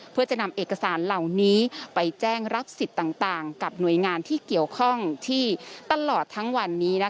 เพื่อจะนำเอกสารเหล่านี้ไปแจ้งรับสิทธิ์ต่างกับหน่วยงานที่เกี่ยวข้องที่ตลอดทั้งวันนี้